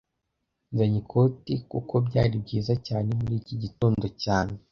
Nzanye ikoti kuko byari byiza cyane muri iki gitondo cyane